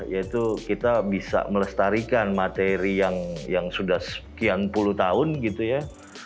yaitu kita bisa melestarikan materi yang sudah sekian puluh tahun gitu ya